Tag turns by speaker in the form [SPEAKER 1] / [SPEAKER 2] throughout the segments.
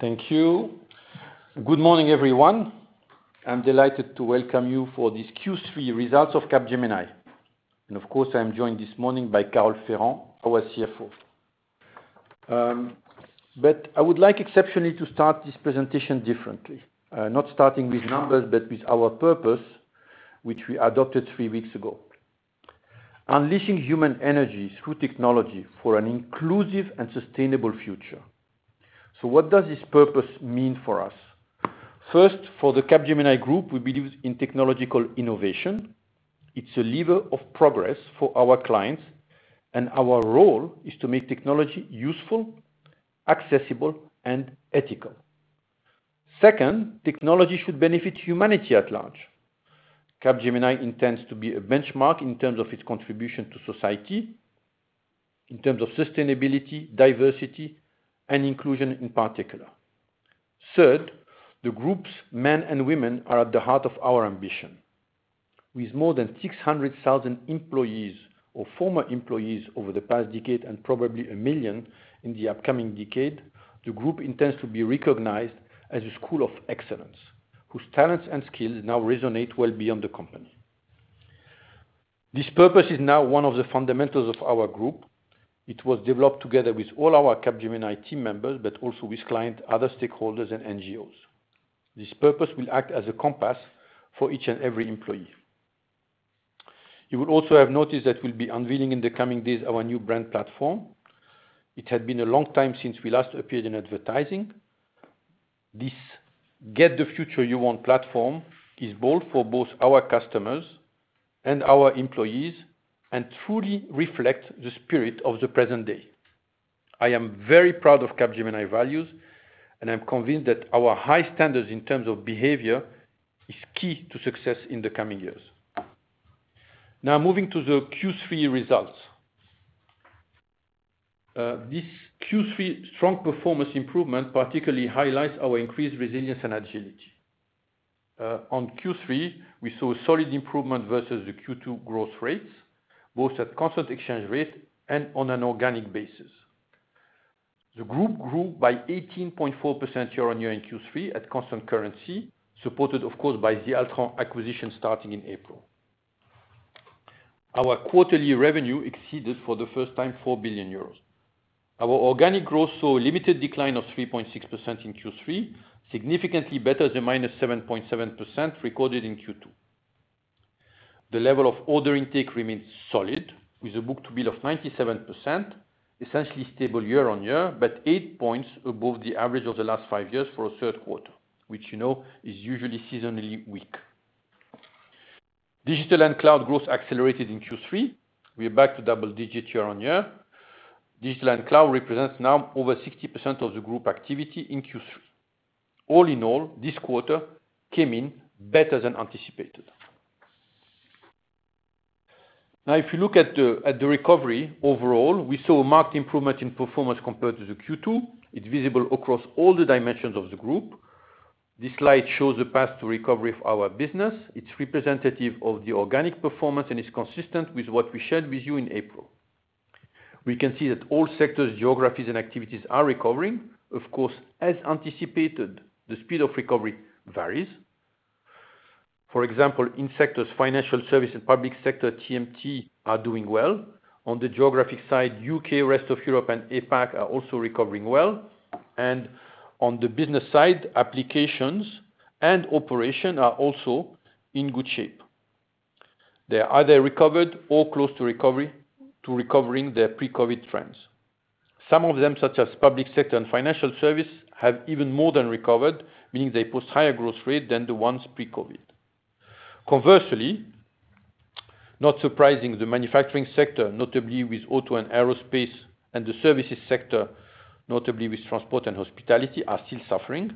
[SPEAKER 1] Thank you. Good morning, everyone. I'm delighted to welcome you for this Q3 results of Capgemini. Of course, I am joined this morning by Carole Ferrand, our CFO. I would like exceptionally to start this presentation differently. Not starting with numbers, but with our purpose, which we adopted three weeks ago. Unleashing human energy through technology for an inclusive and sustainable future. What does this purpose mean for us? First, for the Capgemini group, we believe in technological innovation. It's a lever of progress for our clients, and our role is to make technology useful, accessible, and ethical. Second, technology should benefit humanity at large. Capgemini intends to be a benchmark in terms of its contribution to society, in terms of sustainability, diversity, and inclusion in particular. Third, the group's men and women are at the heart of our ambition. With more than 600,000 employees or former employees over the past decade, and probably 1 million in the upcoming decade, the group intends to be recognized as a school of excellence, whose talents and skills now resonate well beyond the company. This purpose is now one of the fundamentals of our group. It was developed together with all our Capgemini team members, but also with client, other stakeholders, and NGOs. This purpose will act as a compass for each and every employee. You will also have noticed that we'll be unveiling in the coming days our new brand platform. It had been a long time since we last appeared in advertising. This "Get the Future You Want" platform is bold for both our customers and our employees and truly reflects the spirit of the present day. I am very proud of Capgemini values, and I'm convinced that our high standards in terms of behavior is key to success in the coming years. Now moving to the Q3 results. This Q3 strong performance improvement particularly highlights our increased resilience and agility. On Q3, we saw a solid improvement versus the Q2 growth rates, both at constant exchange rate and on an organic basis. The group grew by 18.4% year-on-year in Q3 at constant currency, supported of course by the Altran acquisition starting in April. Our quarterly revenue exceeded for the first time 4 billion euros. Our organic growth saw a limited decline of 3.6% in Q3, significantly better than -7.7% recorded in Q2. The level of order intake remains solid with a book-to-bill of 97%, essentially stable year-on-year, but 8 points above the average of the last five years for a third quarter, which you know is usually seasonally weak. Digital and cloud growth accelerated in Q3. We are back to double-digit year-on-year. Digital and cloud represents now over 60% of the group activity in Q3. All in all, this quarter came in better than anticipated. Now if you look at the recovery overall, we saw a marked improvement in performance compared to the Q2. It's visible across all the dimensions of the group. This slide shows the path to recovery of our business. It's representative of the organic performance, and is consistent with what we shared with you in April. We can see that all sectors, geographies, and activities are recovering. Of course, as anticipated, the speed of recovery varies. For example, in sectors financial services and public sector, TMT are doing well. On the geographic side, U.K., rest of Europe, and APAC are also recovering well. On the business side, applications and operation are also in good shape. They are either recovered or close to recovering their pre-COVID trends. Some of them, such as public sector and financial services, have even more than recovered, meaning they post higher growth rate than the ones pre-COVID. Conversely, not surprisingly, the manufacturing sector, notably with auto and aerospace, and the services sector, notably with transport and hospitality, are still suffering.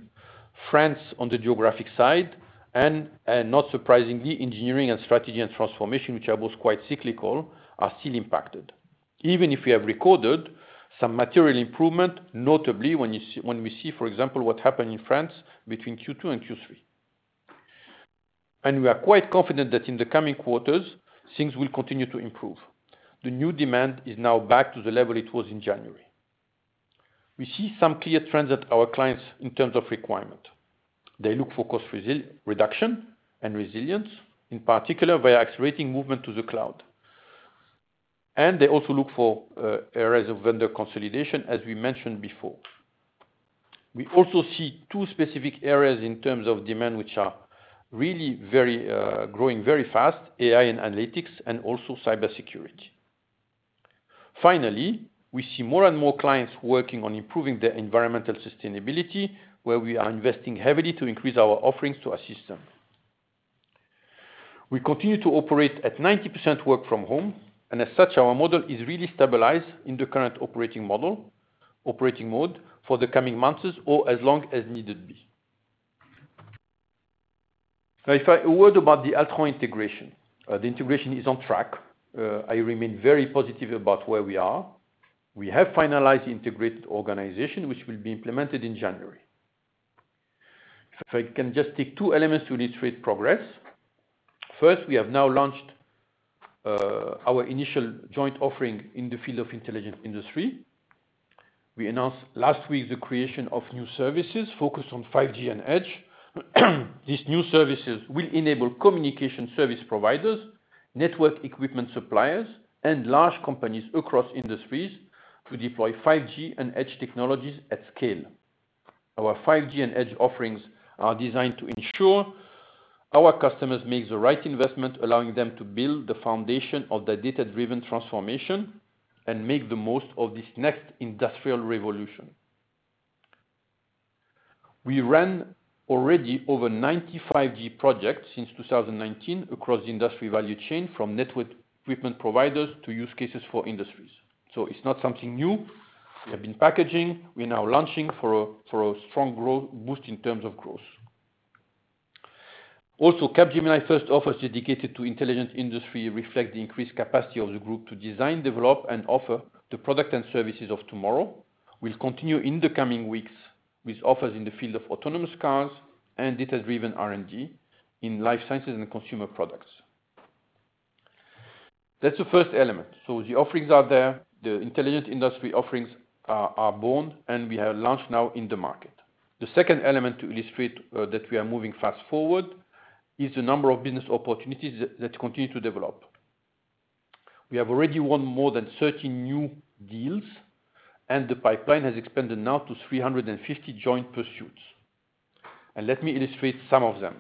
[SPEAKER 1] France, on the geographic side, and not surprisingly, engineering and strategy and transformation, which are both quite cyclical, are still impacted. Even if we have recorded some material improvement, notably when we see, for example, what happened in France between Q2 and Q3. We are quite confident that in the coming quarters, things will continue to improve. The new demand is now back to the level it was in January. We see some clear trends at our clients in terms of requirement. They look for cost reduction and resilience, in particular via accelerating movement to the cloud, and they also look for areas of vendor consolidation, as we mentioned before. We also see two specific areas in terms of demand, which are really growing very fast: AI and analytics, and also Cybersecurity. Finally, we see more and more clients working on improving their environmental sustainability, where we are investing heavily to increase our offerings to assist them. We continue to operate at 90% work from home. As such, our model is really stabilized in the current operating mode for the coming months or as long as needed be. A word about the Altran integration. The integration is on track. I remain very positive about where we are. We have finalized the integrated organization, which will be implemented in January. If I can just take two elements to illustrate progress. First, we have now launched our initial joint offering in the field of Intelligent Industry. We announced last week the creation of new services focused on 5G and Edge. These new services will enable communication service providers, network equipment suppliers, and large companies across industries to deploy 5G and Edge technologies at scale. Our 5G and Edge offerings are designed to ensure our customers make the right investment, allowing them to build the foundation of their data-driven transformation and make the most of this next industrial revolution. We ran already over 90 5G projects since 2019 across the industry value chain, from network equipment providers to use cases for industries. It's not something new. We have been packaging. We're now launching for a strong growth boost in terms of growth. Also, Capgemini first offers dedicated to Intelligent Industry reflect the increased capacity of the group to design, develop, and offer the product and services of tomorrow, will continue in the coming weeks with offers in the field of autonomous cars and data-driven R&D in life sciences and consumer products. That's the first element. The offerings are there, the Intelligent Industry offerings are born, and we have launched now in the market. The second element to illustrate that we are moving fast forward is the number of business opportunities that continue to develop. We have already won more than 30 new deals, and the pipeline has expanded now to 350 joint pursuits. Let me illustrate some of them.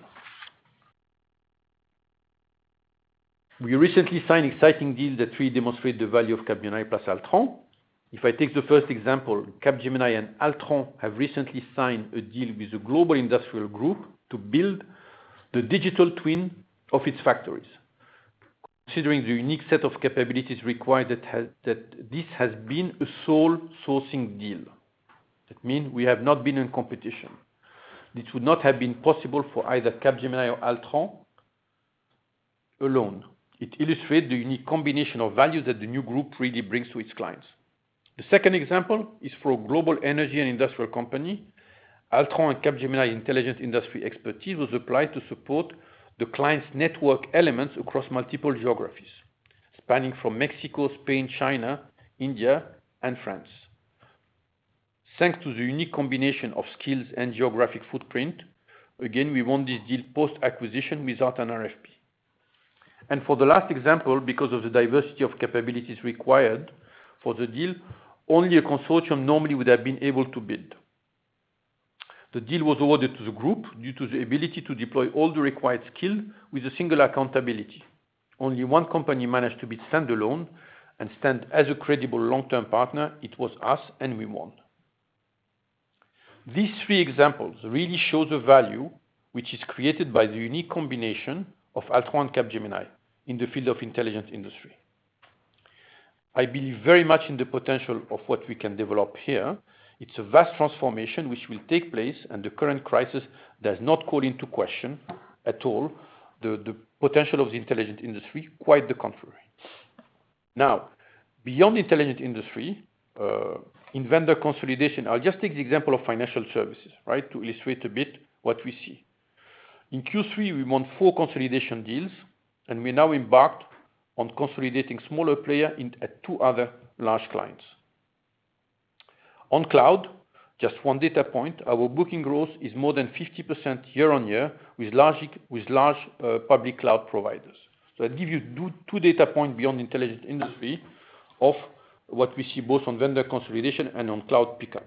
[SPEAKER 1] We recently signed exciting deals that really demonstrate the value of Capgemini plus Altran. If I take the first example, Capgemini and Altran have recently signed a deal with a global industrial group to build the digital twin of its factories. Considering the unique set of capabilities required, this has been a sole sourcing deal. That means we have not been in competition. This would not have been possible for either Capgemini or Altran alone. It illustrates the unique combination of value that the new group really brings to its clients. The second example is for a global energy and industrial company. Altran and Capgemini Intelligent Industry expertise was applied to support the client's network elements across multiple geographies, spanning from Mexico, Spain, China, India, and France. Thanks to the unique combination of skills and geographic footprint, again, we won this deal post-acquisition without an RFP. For the last example, because of the diversity of capabilities required for the deal, only a consortium normally would have been able to bid. The deal was awarded to the group due to the ability to deploy all the required skill with a single accountability. Only one company managed to bid standalone and stand as a credible long-term partner. It was us, and we won. These three examples really show the value, which is created by the unique combination of Altran and Capgemini in the field of Intelligent Industry. I believe very much in the potential of what we can develop here. It's a vast transformation which will take place. The current crisis does not call into question at all the potential of the Intelligent Industry, quite the contrary. Beyond Intelligent Industry, in vendor consolidation, I'll just take the example of financial services to illustrate a bit what we see. In Q3, we won four consolidation deals. We now embarked on consolidating smaller player at two other large clients. On cloud, just one data point, our booking growth is more than 50% year-on-year with large public cloud providers. That give you two data point beyond Intelligent Industry of what we see both on vendor consolidation and on cloud pickup.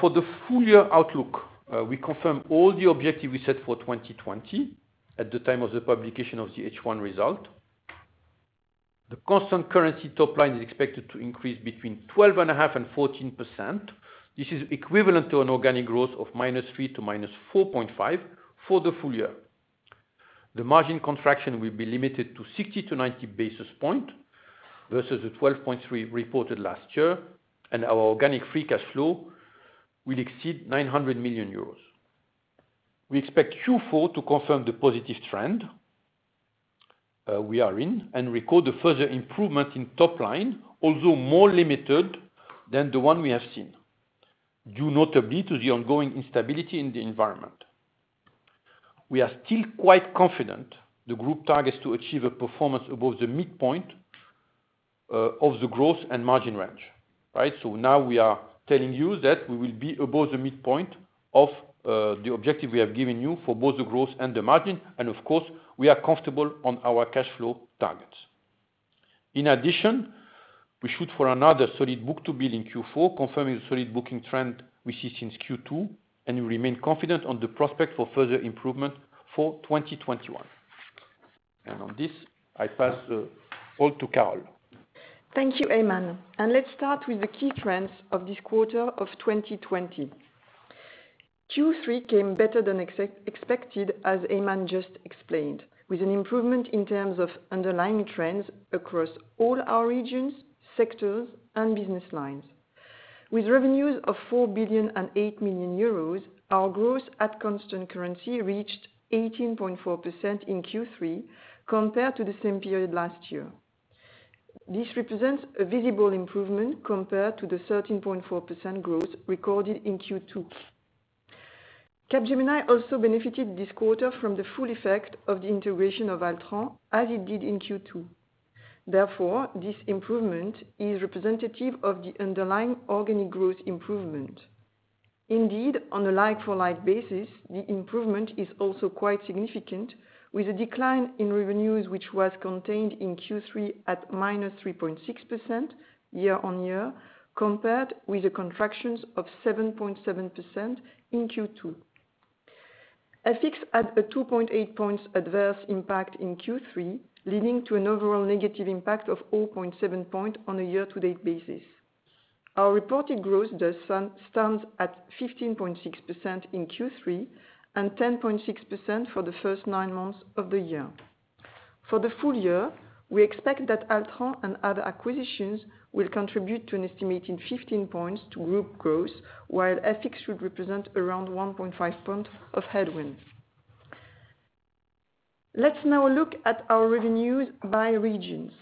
[SPEAKER 1] For the full year outlook, we confirm all the objective we set for 2020 at the time of the publication of the H1 result. The constant currency top line is expected to increase between 12.5% and 14%. This is equivalent to an organic growth of -3%--4.5% for the full year. The margin contraction will be limited to 60 basis points to 90 basis points, versus the 12.3% reported last year, and our organic free cash flow will exceed 900 million euros. We expect Q4 to confirm the positive trend we are in and record a further improvement in top line, although more limited than the one we have seen, due notably to the ongoing instability in the environment. We are still quite confident the group targets to achieve a performance above the midpoint of the growth and margin range. Now we are telling you that we will be above the midpoint of the objective we have given you for both the growth and the margin. Of course, we are comfortable on our cash flow targets. In addition, we shoot for another solid book-to-bill in Q4, confirming the solid booking trend we see since Q2, and we remain confident on the prospect for further improvement for 2021. On this, I pass the call to Carole.
[SPEAKER 2] Thank you, Aiman. Let's start with the key trends of this quarter of 2020. Q3 came better than expected, as Aiman just explained, with an improvement in terms of underlying trends across all our regions, sectors, and business lines. With revenues of 4.008 billion, our growth at constant currency reached 18.4% in Q3 compared to the same period last year. This represents a visible improvement compared to the 13.4% growth recorded in Q2. Capgemini also benefited this quarter from the full effect of the integration of Altran, as it did in Q2. Therefore, this improvement is representative of the underlying organic growth improvement. Indeed, on a like-for-like basis, the improvement is also quite significant, with a decline in revenues, which was contained in Q3 at -3.6% year-on-year, compared with a contraction of 7.7% in Q2. FX had a 2.8 points adverse impact in Q3, leading to an overall negative impact of 0.7 point on a year-to-date basis. Our reported growth does stand at 15.6% in Q3 and 10.6% for the first nine months of the year. For the full year, we expect that Altran and other acquisitions will contribute to an estimated 15 points to group growth, while FX should represent around 1.5 point of headwind. Let's now look at our revenues by regions.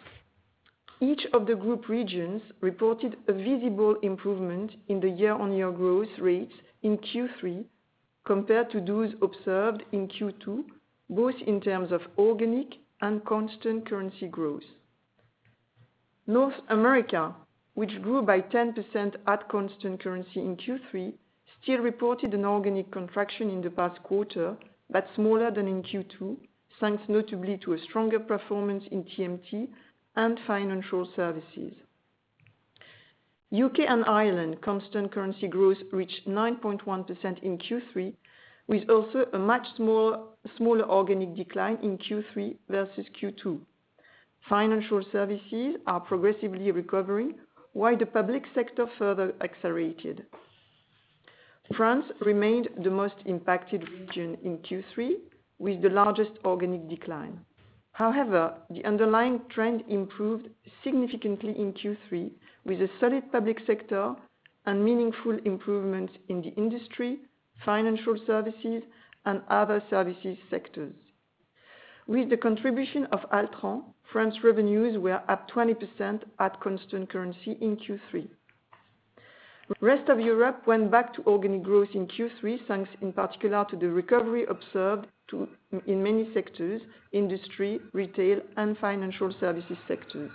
[SPEAKER 2] Each of the group regions reported a visible improvement in the year-on-year growth rates in Q3 compared to those observed in Q2, both in terms of organic and constant currency growth. North America, which grew by 10% at constant currency in Q3, still reported an organic contraction in the past quarter, but smaller than in Q2, thanks notably to a stronger performance in TMT and financial services. U.K. and Ireland constant currency growth reached 9.1% in Q3, with also a much smaller organic decline in Q3 versus Q2. Financial services are progressively recovering, while the public sector further accelerated. France remained the most impacted region in Q3, with the largest organic decline. However, the underlying trend improved significantly in Q3 with a solid public sector and meaningful improvements in the industry, financial services, and other services sectors. With the contribution of Altran, France revenues were up 20% at constant currency in Q3. Rest of Europe went back to organic growth in Q3, thanks in particular to the recovery observed in many sectors, industry, retail, and financial services sectors.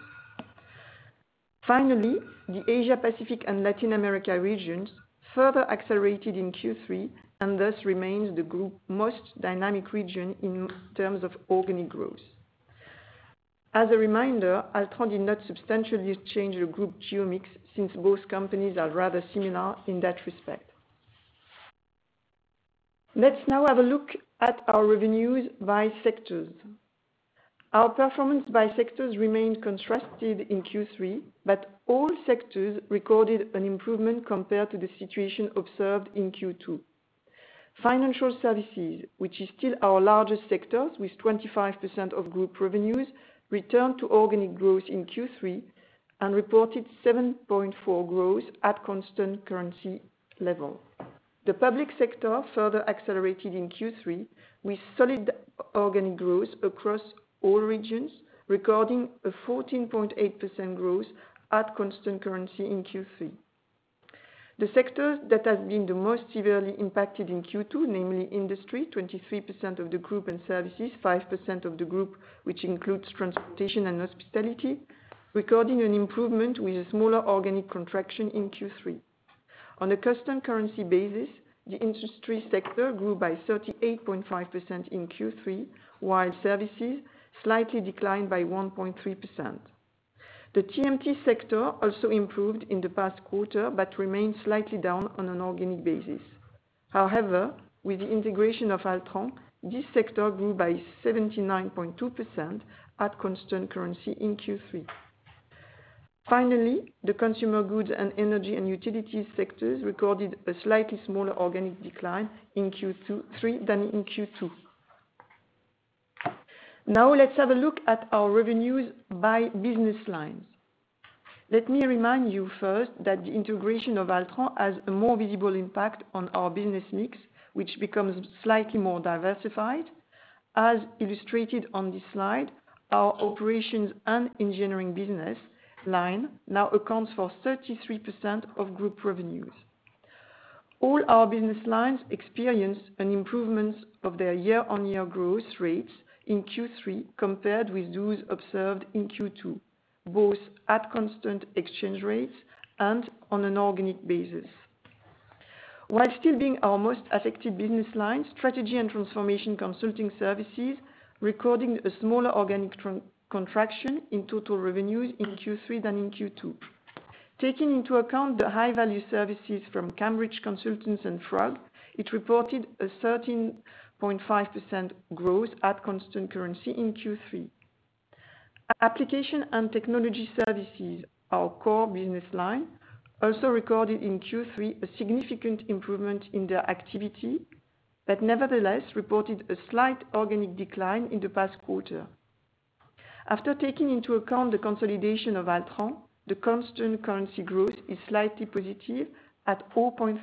[SPEAKER 2] Finally, the Asia Pacific and Latin America regions further accelerated in Q3 and thus remains the group's most dynamic region in terms of organic growth. As a reminder, Altran did not substantially change the group geo mix since both companies are rather similar in that respect. Let's now have a look at our revenues by sectors. Our performance by sectors remained contrasted in Q3, but all sectors recorded an improvement compared to the situation observed in Q2. Financial services, which is still our largest sector with 25% of group revenues, returned to organic growth in Q3 and reported 7.4% growth at constant currency level. The public sector further accelerated in Q3 with solid organic growth across all regions, recording a 14.8% growth at constant currency in Q3. The sector that has been the most severely impacted in Q2, namely industry, 23% of the group, and services, 5% of the group, which includes transportation and hospitality, recording an improvement with a smaller organic contraction in Q3. On a constant currency basis, the industry sector grew by 38.5% in Q3, while services slightly declined by 1.3%. The TMT sector also improved in the past quarter but remained slightly down on an organic basis. With the integration of Altran, this sector grew by 79.2% at constant currency in Q3. The consumer goods and energy and utilities sectors recorded a slightly smaller organic decline in Q3 than in Q2. Now let's have a look at our revenues by business lines. Let me remind you first that the integration of Altran has a more visible impact on our business mix, which becomes slightly more diversified. As illustrated on this slide, our operations and engineering business line now accounts for 33% of group revenues. All our business lines experienced an improvement of their year-on-year growth rates in Q3 compared with those observed in Q2, both at constant exchange rates and on an organic basis. While still being our most affected business line, strategy and transformation consulting services recording a smaller organic contraction in total revenues in Q3 than in Q2. Taking into account the high-value services from Cambridge Consultants and frog, it reported a 13.5% growth at constant currency in Q3. Application and technology services, our core business line, also recorded in Q3 a significant improvement in their activity, but nevertheless reported a slight organic decline in the past quarter. After taking into account the consolidation of Altran, the constant currency growth is slightly positive at 0.3%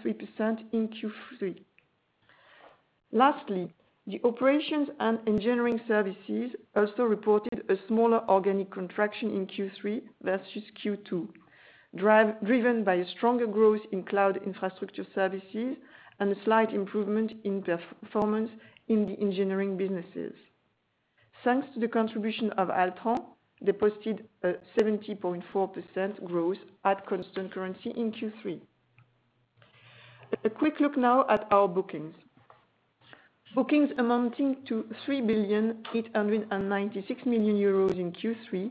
[SPEAKER 2] in Q3. Lastly, the operations and engineering services also reported a smaller organic contraction in Q3 versus Q2, driven by a stronger growth in cloud infrastructure services and a slight improvement in performance in the engineering businesses. Thanks to the contribution of Altran, they posted a 70.4% growth at constant currency in Q3. A quick look now at our bookings. Bookings amounting to 3.896 billion in Q3,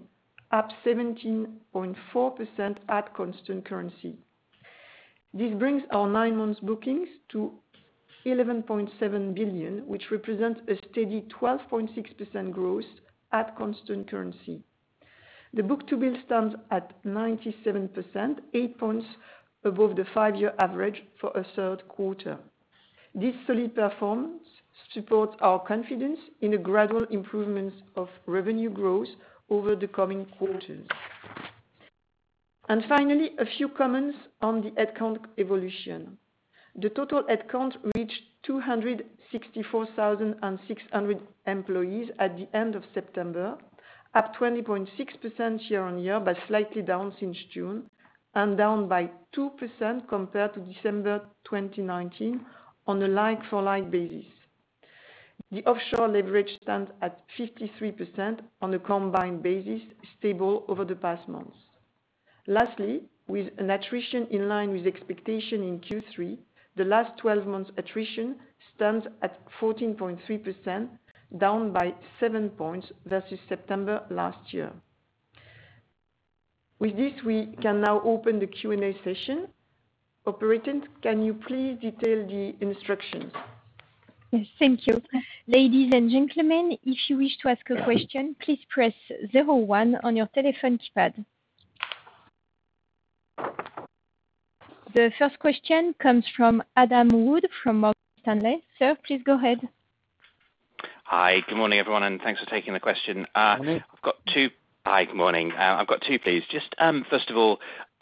[SPEAKER 2] up 17.4% at constant currency. This brings our nine months bookings to 11.7 billion, which represents a steady 12.6% growth at constant currency. The book-to-bill stands at 97%, 8 points above the five-year average for a third quarter. This solid performance supports our confidence in a gradual improvement of revenue growth over the coming quarters. Finally, a few comments on the headcount evolution. The total headcount reached 264,600 employees at the end of September, up 20.6% year-on-year, but slightly down since June, and down by 2% compared to December 2019 on a like-for-like basis. The offshore leverage stands at 53% on a combined basis, stable over the past months. Lastly, with an attrition in line with expectation in Q3, the last 12 months attrition stands at 14.3%, down by 7 points versus September last year. Operator, can you please detail the instructions?
[SPEAKER 3] Thank you. Ladies and gentlemen, if you wish to ask a question, please press 01 on your telephone keypad. The first question comes from Adam Wood from Morgan Stanley. Sir, please go ahead.
[SPEAKER 4] Hi. Good morning, everyone, and thanks for taking the question.
[SPEAKER 1] Morning.
[SPEAKER 4] Hi. Good morning. I've got two, please. Just first of all,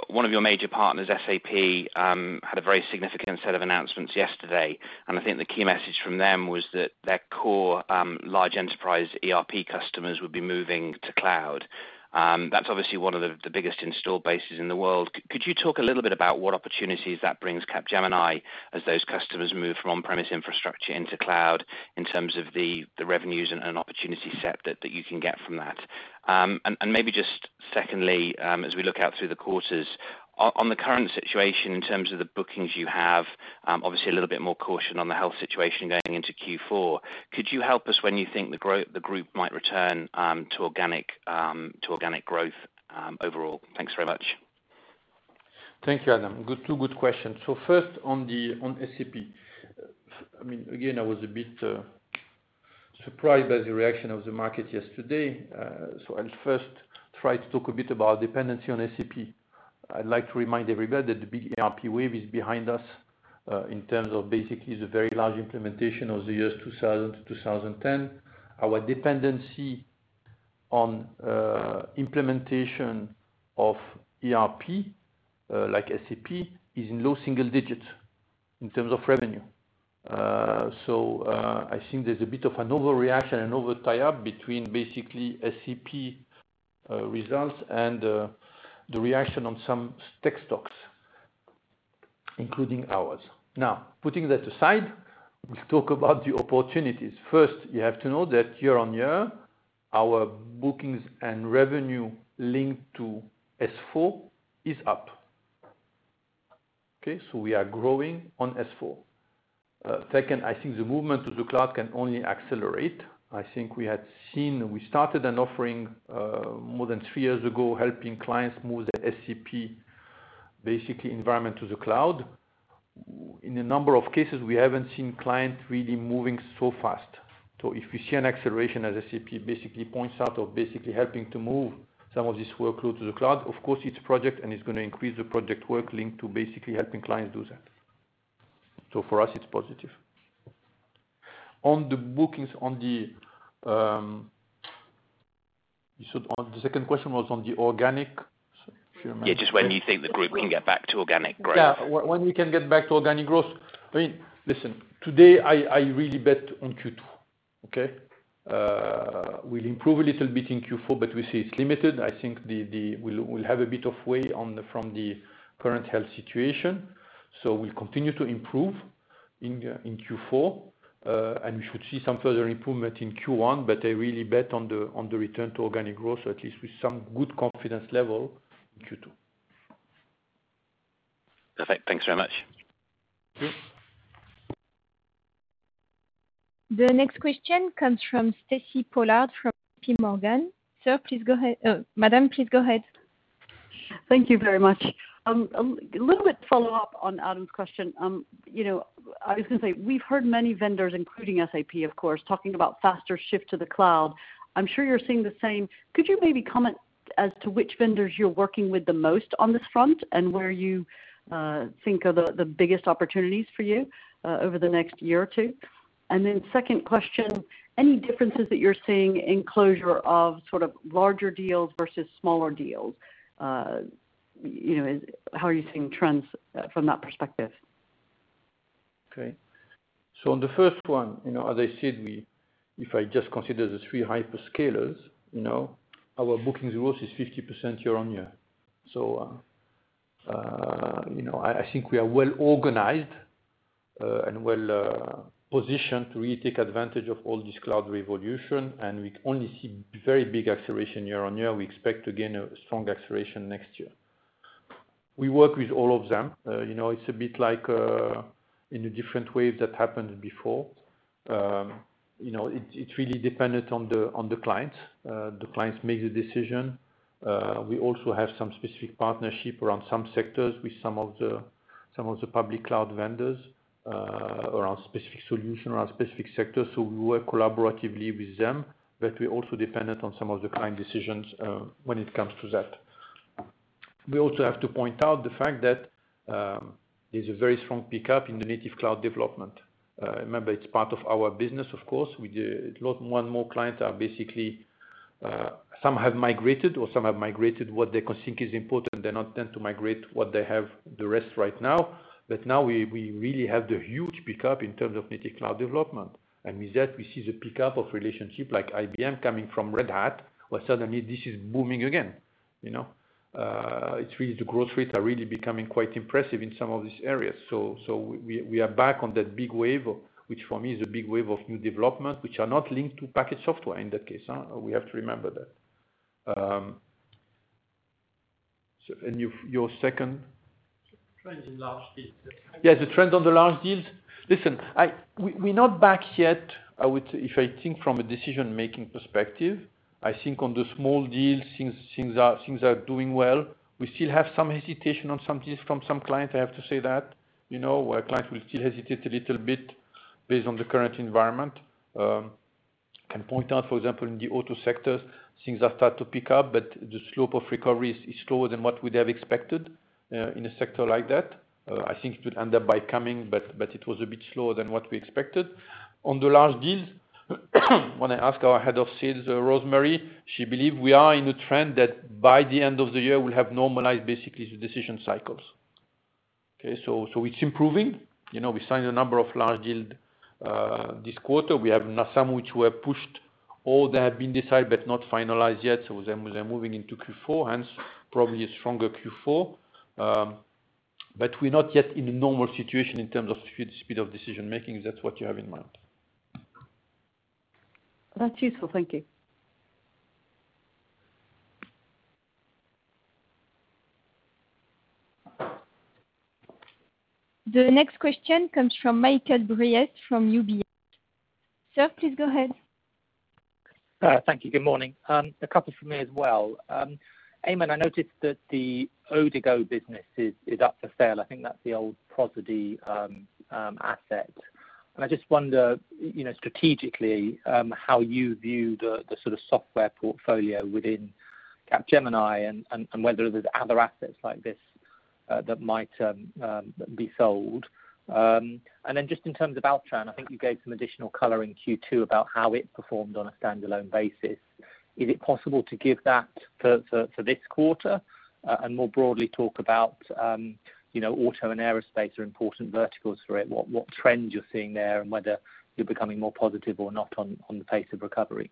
[SPEAKER 4] one of your major partners, SAP, had a very significant set of announcements yesterday, and I think the key message from them was that their core, large enterprise ERP customers would be moving to cloud. That's obviously one of the biggest install bases in the world. Could you talk a little bit about what opportunities that brings Capgemini as those customers move from on-premise infrastructure into cloud in terms of the revenues and opportunity set that you can get from that? Maybe just secondly, as we look out through the quarters, on the current situation in terms of the bookings you have, obviously a little bit more caution on the health situation going into Q4, could you help us when you think the group might return to organic growth overall? Thanks very much.
[SPEAKER 1] Thank you, Adam. Two good questions. First on SAP. Again, I was a bit surprised by the reaction of the market yesterday. I'll first try to talk a bit about dependency on SAP. I'd like to remind everybody that the big ERP wave is behind us, in terms of basically the very large implementation of the years 2000 to 2010. Our dependency on implementation of ERP, like SAP, is in low single digits in terms of revenue. I think there's a bit of an overreaction and over tie-up between basically SAP results and the reaction on some tech stocks, including ours. Now, putting that aside, we'll talk about the opportunities. First, you have to know that year-on-year, our bookings and revenue linked to S/4 is up. Okay? We are growing on S/4. Second, I think the movement to the cloud can only accelerate. I think we started an offering more than three years ago, helping clients move their SAP, basically environment to the cloud. In a number of cases, we haven't seen clients really moving so fast. If we see an acceleration as SAP basically points out of basically helping to move some of this workload to the cloud, of course it's a project and it's going to increase the project work linked to basically helping clients do that. For us, it's positive. The second question was on the organic, if you remember.
[SPEAKER 4] Yeah, just when you think the group can get back to organic growth.
[SPEAKER 1] Yeah. When we can get back to organic growth. Listen, today I really bet on Q2. Okay? We'll improve a little bit in Q4, but we see it's limited. I think we'll have a bit of way from the current health situation. We'll continue to improve in Q4, and we should see some further improvement in Q1, but I really bet on the return to organic growth, at least with some good confidence level in Q2.
[SPEAKER 4] Perfect. Thanks very much.
[SPEAKER 3] The next question comes from Stacy Pollard from JPMorgan. Madam, please go ahead.
[SPEAKER 5] Thank you very much. A little bit follow-up on Adam's question. I was going to say, we've heard many vendors, including SAP of course, talking about faster shift to the cloud. I'm sure you're seeing the same. Could you maybe comment as to which vendors you're working with the most on this front, and where you think are the biggest opportunities for you over the next year or two? Second question, any differences that you're seeing in closure of sort of larger deals versus smaller deals? How are you seeing trends from that perspective?
[SPEAKER 1] Okay. On the first one, as I said, if I just consider the three hyperscalers, our booking growth is 50% year-on-year. I think we are well organized, and well positioned to really take advantage of all this cloud revolution, and we only see very big acceleration year-on-year. We expect to gain a strong acceleration next year. We work with all of them. It's a bit like, in a different wave that happened before. It's really dependent on the client. The clients make the decision. We also have some specific partnership around some sectors with some of the public cloud vendors, around specific solutions, around specific sectors. We work collaboratively with them, but we're also dependent on some of the client decisions when it comes to that. We also have to point out the fact that, there's a very strong pickup in the native cloud development. Remember, it's part of our business, of course. One more client are basically, some have migrated, or some have migrated what they consider is important. They not tend to migrate what they have the rest right now. Now we really have the huge pickup in terms of native cloud development. With that, we see the pickup of relationship like IBM coming from Red Hat, where suddenly this is booming again. The growth rates are really becoming quite impressive in some of these areas. We are back on that big wave, which for me is a big wave of new developments which are not linked to packaged software in that case. We have to remember that. Your second?
[SPEAKER 5] Trend in large deals.
[SPEAKER 1] Yeah, the trend on the large deals. Listen, we're not back yet. If I think from a decision-making perspective, I think on the small deals, things are doing well. We still have some hesitation on some deals from some clients, I have to say that. Clients will still hesitate a little bit based on the current environment. I can point out, for example, in the auto sectors, things have started to pick up. The slope of recovery is slower than what we'd have expected in a sector like that. I think it will end up by coming. It was a bit slower than what we expected. On the large deals, when I ask our head of sales, Rosemary, she believe we are in a trend that by the end of the year, we'll have normalized basically the decision cycles. Okay? It's improving. We signed a number of large deals this quarter. We have now some which were pushed or that have been decided but not finalized yet, so they're moving into Q4, hence probably a stronger Q4. We're not yet in a normal situation in terms of speed of decision-making, if that's what you have in mind.
[SPEAKER 5] That's useful. Thank you.
[SPEAKER 3] The next question comes from Michael Briest from UBS. Sir, please go ahead.
[SPEAKER 6] Thank you. Good morning. A couple from me as well. Aiman, I noticed that the Odigo business is up for sale. I think that's the old Prosodie asset. I just wonder strategically, how you view the sort of software portfolio within Capgemini and whether there's other assets like this that might be sold. Just in terms of Altran, I think you gave some additional color in Q2 about how it performed on a standalone basis. Is it possible to give that for this quarter? More broadly, talk about auto and aerospace are important verticals for it, what trends you're seeing there and whether you're becoming more positive or not on the pace of recovery.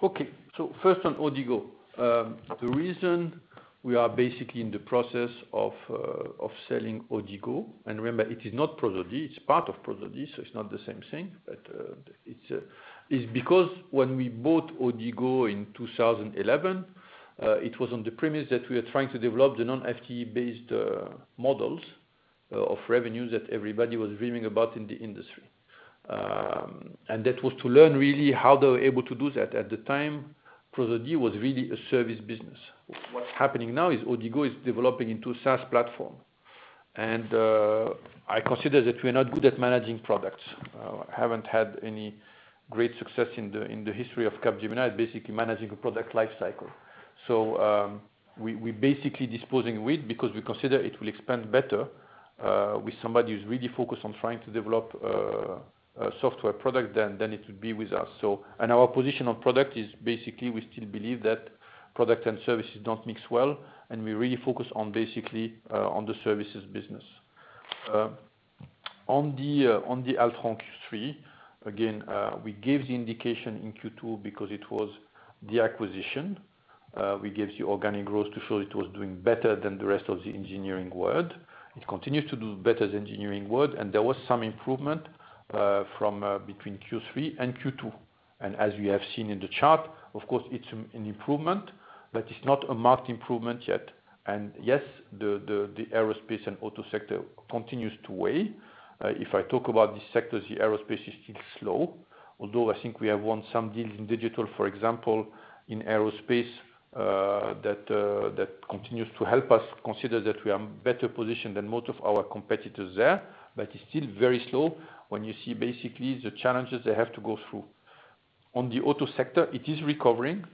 [SPEAKER 1] First on Odigo. The reason we are basically in the process of selling Odigo, and remember, it is not Prosodie, it's part of Prosodie, so it's not the same thing. It's because when we bought Odigo in 2011, it was on the premise that we were trying to develop the non-FTE-based models of revenues that everybody was dreaming about in the industry. That was to learn really how they were able to do that. At the time, Prosodie was really a service business. What's happening now is Odigo is developing into a SaaS platform. I consider that we're not good at managing products. Haven't had any great success in the history of Capgemini basically managing a product life cycle. We basically disposing with, because we consider it will expand better, with somebody who's really focused on trying to develop a software product than it'll be with us. Our position on product is basically, we still believe that product and services don't mix well, and we really focus on basically, on the services business. On the Altran Q3, again, we gave the indication in Q2 because it was the acquisition. We gave the organic growth to show it was doing better than the rest of the engineering world. It continues to do better than engineering world, and there was some improvement between Q3 and Q2. As we have seen in the chart, of course it's an improvement, but it's not a marked improvement yet. Yes, the aerospace and auto sector continues to weigh. If I talk about these sectors, the aerospace is still slow, although I think we have won some deals in digital, for example, in aerospace, that continues to help us consider that we are better positioned than most of our competitors there. It's still very slow when you see basically the challenges they have to go through. On the auto sector, it is recovering,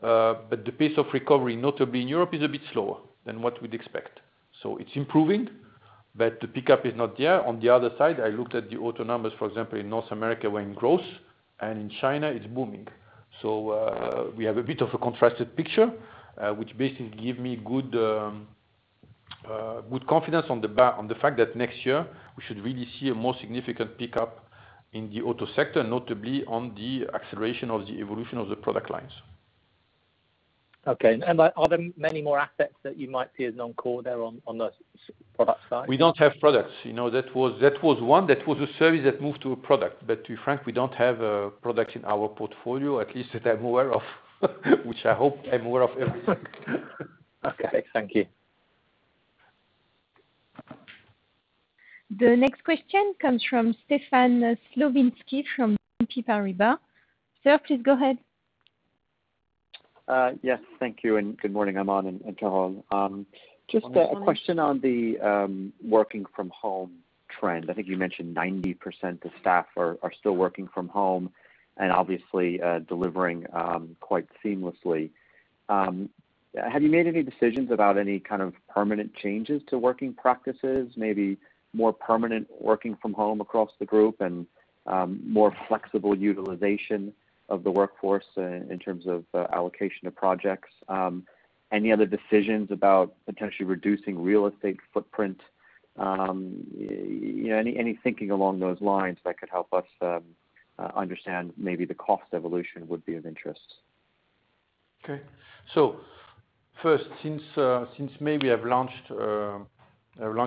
[SPEAKER 1] but the pace of recovery, notably in Europe, is a bit slower than what we'd expect. It's improving. But the pickup is not there. On the other side, I looked at the auto numbers, for example, in North America, we're in growth, and in China it's booming. We have a bit of a contrasted picture, which basically give me good confidence on the fact that next year we should really see a more significant pickup in the auto sector, notably on the acceleration of the evolution of the product lines.
[SPEAKER 6] Okay. Are there many more assets that you might see as non-core there on the product side?
[SPEAKER 1] We don't have products. That was one. That was a service that moved to a product. To be frank, we don't have a product in our portfolio, at least that I'm aware of which I hope I'm aware of everything.
[SPEAKER 6] Okay. Thank you.
[SPEAKER 3] The next question comes from Stefan Slowinski from BNP Paribas. Sir, please go ahead.
[SPEAKER 7] Yes. Thank you. Good morning, Aiman and Carole. Just a question on the working from home trend. I think you mentioned 90% of staff are still working from home and obviously delivering quite seamlessly. Have you made any decisions about any kind of permanent changes to working practices, maybe more permanent working from home across the group and more flexible utilization of the workforce in terms of allocation of projects? Any other decisions about potentially reducing real estate footprint? Any thinking along those lines that could help us understand maybe the cost evolution would be of interest.
[SPEAKER 1] Okay. First, since May, we have launched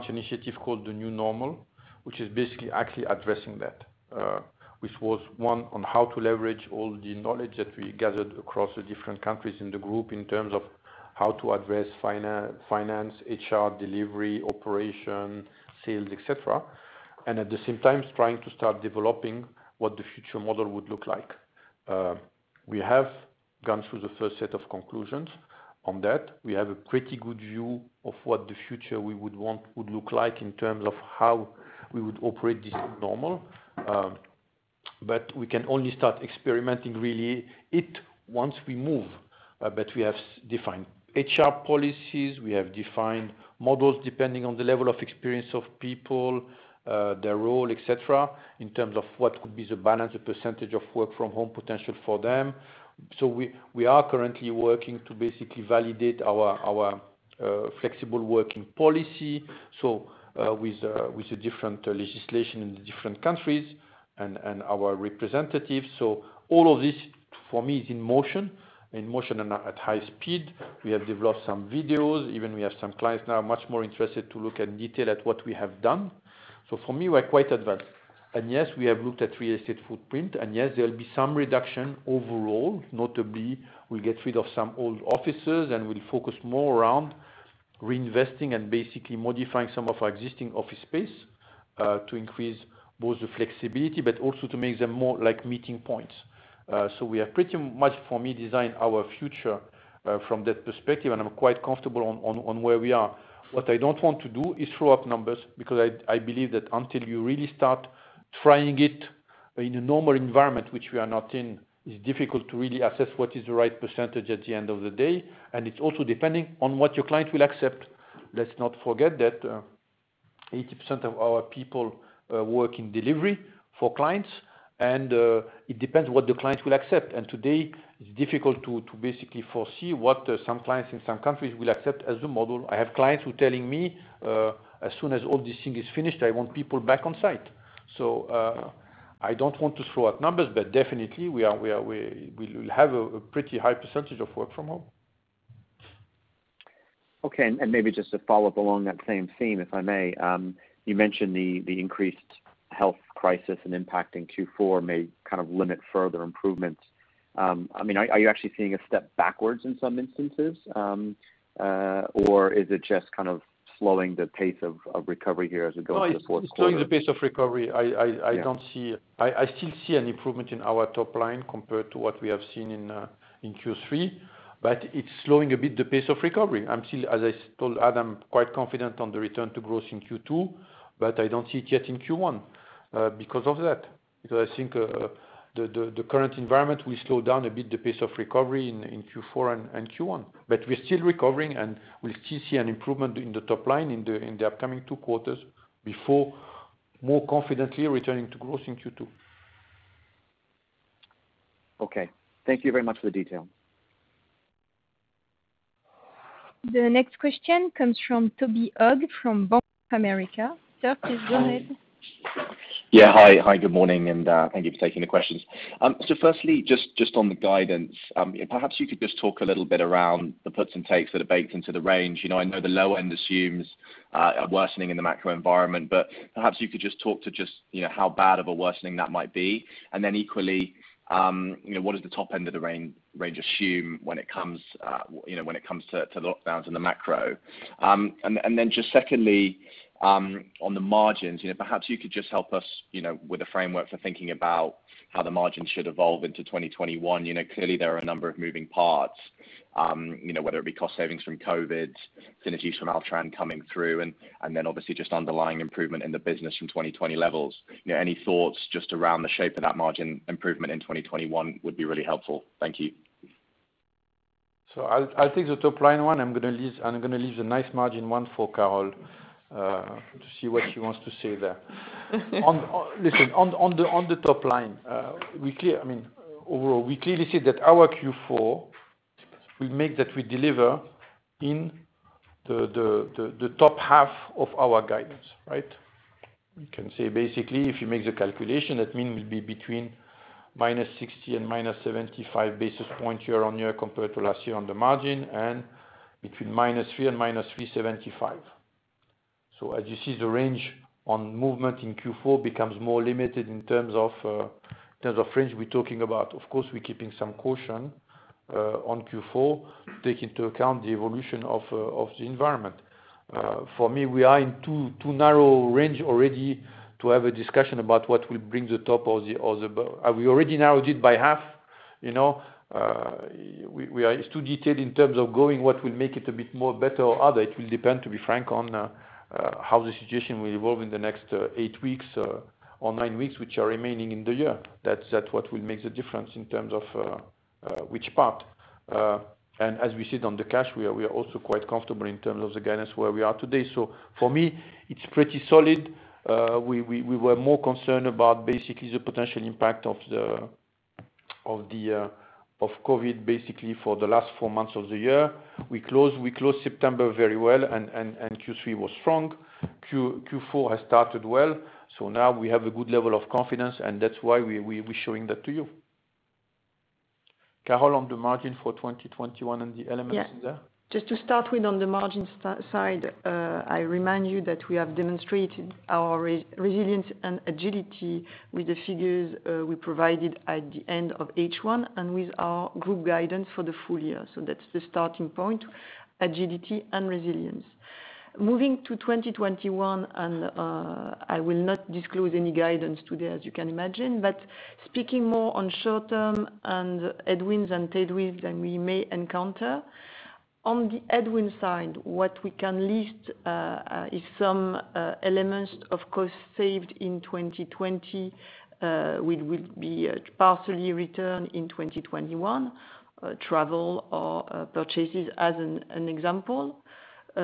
[SPEAKER 1] initiative called the New Normal, which is basically actually addressing that, which was one on how to leverage all the knowledge that we gathered across the different countries in the group in terms of how to address finance, HR, delivery, operation, sales, et cetera. At the same time, trying to start developing what the future model would look like. We have gone through the first set of conclusions on that. We have a pretty good view of what the future we would want would look like in terms of how we would operate this New Normal. We can only start experimenting really it once we move. We have defined HR policies, we have defined models depending on the level of experience of people, their role, et cetera, in terms of what could be the balance of percentage of work from home potential for them. We are currently working to basically validate our flexible working policy with the different legislation in the different countries and our representatives. All of this for me is in motion, and at high speed. We have developed some videos, even we have some clients now much more interested to look in detail at what we have done. For me, we're quite advanced. Yes, we have looked at real estate footprint and yes, there'll be some reduction overall. Notably, we'll get rid of some old offices, and we'll focus more around reinvesting and basically modifying some of our existing office space, to increase both the flexibility but also to make them more like meeting points. We have pretty much, for me, designed our future from that perspective, and I'm quite comfortable on where we are. What I don't want to do is throw out numbers because I believe that until you really start trying it in a normal environment, which we are not in, it's difficult to really assess what is the right percentage at the end of the day. It's also depending on what your client will accept. Let's not forget that 80% of our people work in delivery for clients, and it depends what the client will accept. Today it's difficult to basically foresee what some clients in some countries will accept as the model. I have clients who telling me, "As soon as all this thing is finished, I want people back on site." I don't want to throw out numbers, but definitely we'll have a pretty high percentage of work from home.
[SPEAKER 7] Okay, maybe just to follow up along that same theme, if I may. You mentioned the increased health crisis and impact in Q4 may kind of limit further improvements. I mean are you actually seeing a step backwards in some instances? Or is it just kind of slowing the pace of recovery here as we go into the fourth quarter?
[SPEAKER 1] It's slowing the pace of recovery.
[SPEAKER 7] Yeah.
[SPEAKER 1] I still see an improvement in our top line compared to what we have seen in Q3, but it's slowing a bit the pace of recovery. I'm still, as I told Adam, quite confident on the return to growth in Q2, but I don't see it yet in Q1 because of that. I think the current environment will slow down a bit the pace of recovery in Q4 and Q1. We're still recovering, and we'll still see an improvement in the top line in the upcoming two quarters before more confidently returning to growth in Q2.
[SPEAKER 7] Okay. Thank you very much for the detail.
[SPEAKER 3] The next question comes from Toby Ogg from Bank of America. Sir, please go ahead.
[SPEAKER 8] Yeah. Hi. Good morning, and thank you for taking the questions. So firstly, just on the guidance, perhaps you could just talk a little bit around the puts and takes that are baked into the range. I know the low end assumes a worsening in the macro environment. Perhaps you could just talk to just how bad of a worsening that might be. Equally, what does the top end of the range assume when it comes to the lockdowns and the macro? And then just secondly, on the margins, perhaps you could just help us with a framework for thinking about how the margins should evolve into 2021. Clearly there are a number of moving parts, whether it be cost savings from COVID, synergies from Altran coming through, and then obviously just underlying improvement in the business from 2020 levels. Any thoughts just around the shape of that margin improvement in 2021 would be really helpful. Thank you.
[SPEAKER 1] I'll take the top line one. I'm going to leave the nice margin one for Carole, to see what she wants to say there. Listen, on the top line, overall, we clearly said that our Q4 will make that we deliver in the top half of our guidance. Right. We can say basically, if you make the calculation, that mean will be between -60 basis points and -75 basis points year-on-year compared to last year on the margin, and between -3 and -375. As you see, the range on movement in Q4 becomes more limited in terms of range we're talking about. Of course, we're keeping some caution on Q4, take into account the evolution of the environment. For me, we are in too narrow range already to have a discussion about what will bring the top or the bottom. We already narrowed it by half. It's too detailed in terms of going what will make it a bit more better or other. It will depend, to be frank, on how the situation will evolve in the next eight weeks or nine weeks, which are remaining in the year. That's what will make the difference in terms of which part. As we said on the cash, we are also quite comfortable in terms of the guidance where we are today. For me, it's pretty solid. We were more concerned about basically the potential impact of COVID basically for the last four months of the year. We closed September very well and Q3 was strong. Q4 has started well. Now we have a good level of confidence and that's why we're showing that to you. Carole, on the margin for 2021 and the elements there.
[SPEAKER 2] Just to start with on the margin side, I remind you that we have demonstrated our resilience and agility with the figures we provided at the end of H1, and with our group guidance for the full year. That's the starting point, agility and resilience. Moving to 2021, I will not disclose any guidance today, as you can imagine, speaking more on short-term and headwinds and tailwinds than we may encounter. On the headwind side, what we can list is some elements, of course, saved in 2020, will be partially returned in 2021. Travel or purchases as an example.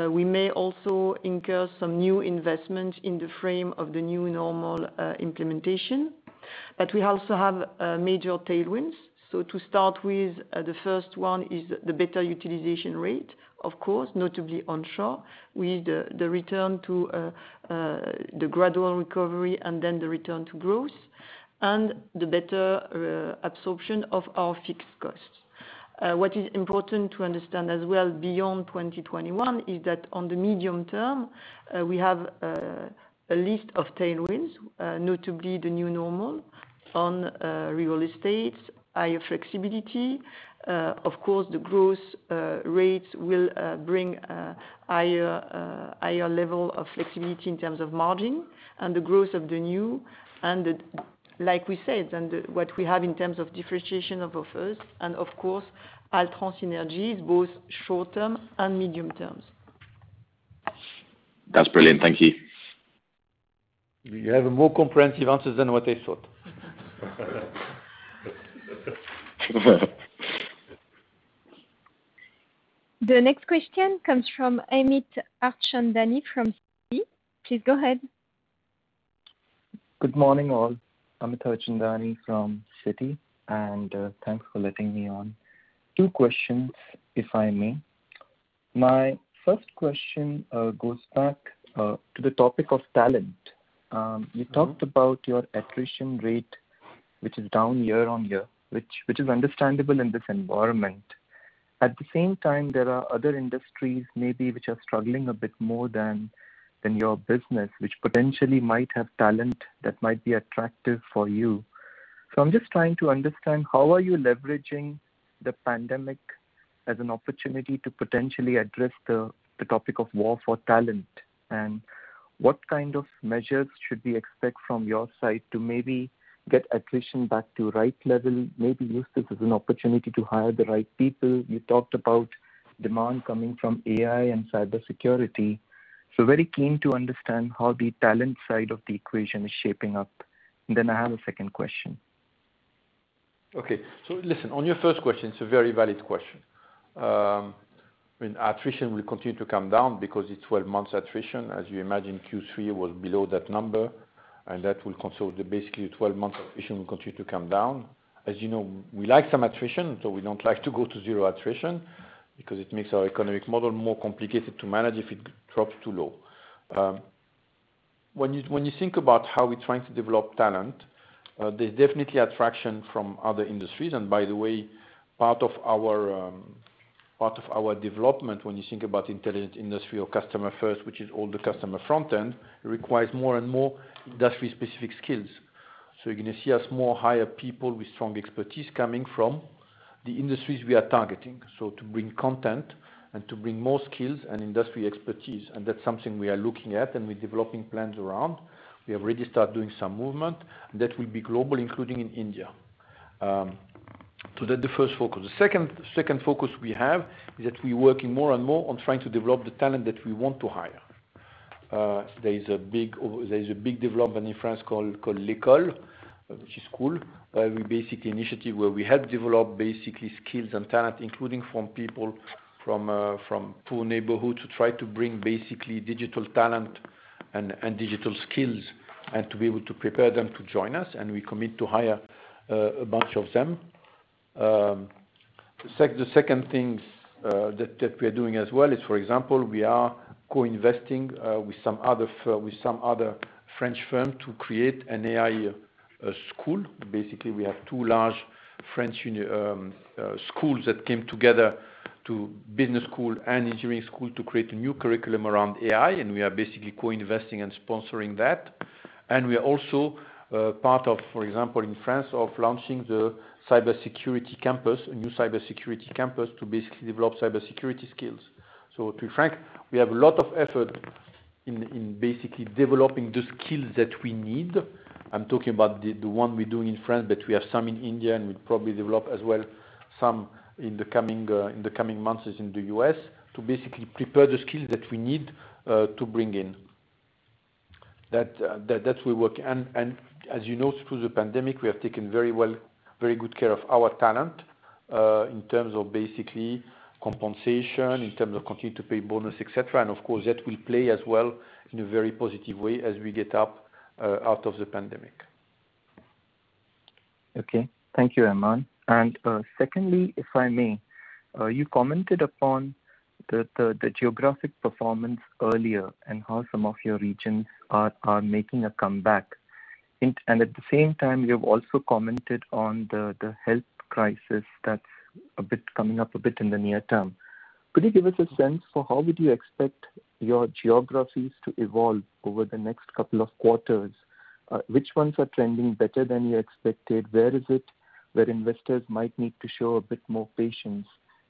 [SPEAKER 2] We may also incur some new investment in the frame of the New Normal implementation, we also have major tailwinds. To start with, the first one is the better utilization rate, of course, notably onshore, with the return to the gradual recovery and then the return to growth and the better absorption of our fixed costs. What is important to understand as well beyond 2021, is that on the medium term, we have a list of tailwinds, notably the New Normal on real estate, higher flexibility. Of course, the growth rates will bring a higher level of flexibility in terms of margin and the growth of the new and like we said, and what we have in terms of differentiation of offers and of course, Altran synergy is both short-term and medium terms.
[SPEAKER 8] That's brilliant. Thank you.
[SPEAKER 1] You have a more comprehensive answer than what I thought.
[SPEAKER 3] The next question comes from Amit Harchandani from Citi. Please go ahead.
[SPEAKER 9] Good morning, all. I'm Harchandani from Citi. Thanks for letting me on. Two questions, if I may. My first question goes back to the topic of talent. You talked about your attrition rate, which is down year-on-year, which is understandable in this environment. At the same time, there are other industries maybe which are struggling a bit more than your business, which potentially might have talent that might be attractive for you. I'm just trying to understand how are you leveraging the pandemic as an opportunity to potentially address the topic of war for talent. What kind of measures should we expect from your side to maybe get attrition back to right level, maybe use this as an opportunity to hire the right people. You talked about demand coming from AI and Cybersecurity. Very keen to understand how the talent side of the equation is shaping up. I have a second question.
[SPEAKER 1] Okay. Listen, on your first question, it's a very valid question. I mean, attrition will continue to come down because it's 12 months attrition. As you imagine, Q3 was below that number, and that will console the basically 12 months attrition will continue to come down. As you know, we like some attrition, so we don't like to go to zero attrition because it makes our economic model more complicated to manage if it drops too low. When you think about how we're trying to develop talent, there's definitely attraction from other industries. By the way, part of our development, when you think about Intelligent Industry or Customer First, which is all the customer front end, requires more and more industry-specific skills. You're going to see us more hire people with strong expertise coming from the industries we are targeting. To bring content and to bring more skills and industry expertise, and that's something we are looking at and we're developing plans around. We have already start doing some movement, and that will be global, including in India. That the first focus. The second focus we have is that we working more and more on trying to develop the talent that we want to hire. There is a big development in France called L'école, which is school. A basic initiative where we help develop basically skills and talent, including from people from poor neighborhoods, to try to bring basically digital talent and digital skills, and to be able to prepare them to join us. We commit to hire a bunch of them. The second thing that we are doing as well is, for example, we are co-investing with some other French firms to create an AI School. Basically, we have two large French schools that came together, business school and engineering school, to create a new curriculum around AI, and we are basically co-investing and sponsoring that. We are also part of, for example, in France, of launching the Cybersecurity Campus, a new Cybersecurity Campus to basically develop Cybersecurity skills. To be frank, we have a lot of effort in basically developing the skills that we need. I'm talking about the one we're doing in France, but we have some in India, and we'll probably develop as well some in the coming months in the U.S. to basically prepare the skills that we need to bring in. That will work. As you know, through the pandemic, we have taken very good care of our talent, in terms of basically compensation, in terms of continuing to pay bonus, et cetera. Of course, that will play as well in a very positive way as we get up out of the pandemic.
[SPEAKER 9] Okay. Thank you, Aiman. Secondly, if I may, you commented upon the geographic performance earlier and how some of your regions are making a comeback. At the same time, you have also commented on the health crisis that's coming up a bit in the near term. Could you give us a sense for how would you expect your geographies to evolve over the next couple of quarters? Which ones are trending better than you expected? Where is it where investors might need to show a bit more patience